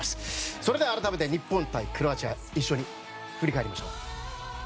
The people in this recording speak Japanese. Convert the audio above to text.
それでは改めて日本対クロアチア振り返っていきましょう。